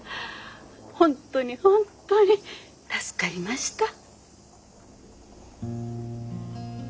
本当に本当に助かりました。